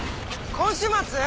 今週末？